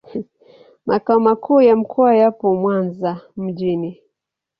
Makao makuu ya mkoa yapo Mwanza mjini.